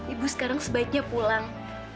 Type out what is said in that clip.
ibu sekarang sebaiknya pulang